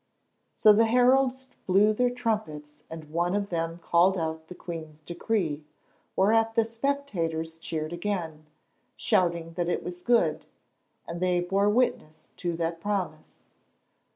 So the heralds blew their trumpets and one of them called out the queen's decree, whereat the spectators cheered again, shouting that it was good, and they bore witness to that promise.